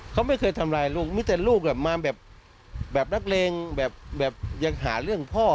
เขาไม่เคยทำร้ายลูกมีแต่ลูกมาแบบนักเลงแบบยังหาเรื่องพ่อ